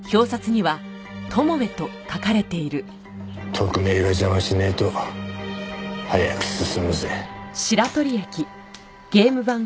特命が邪魔しねえと早く進むぜ。